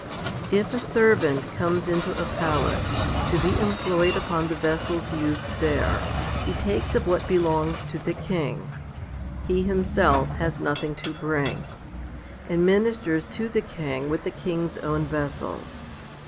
If a servant comes into a palace, to be employed upon the vessels used there, he takes of what belongs to the king he himself has nothing to bring and ministers to the king with the king's own vessels.